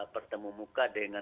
pertemu muka dengan orang lain